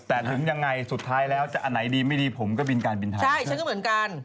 แต่ถึงยังไงสุดท้ายแล้วจะอันไหนดีไม่ดีผมก็บินการบินไทยใช่ฉันก็เหมือนกัน